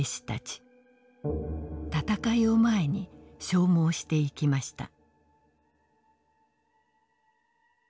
戦いを前に消耗していきました。